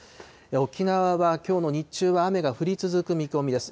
沖縄はきょうの日中は雨が降り続く見込みです。